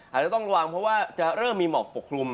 อาจจะต้องระวังเพราะว่าจะเริ่มมีหมอกปกคลุม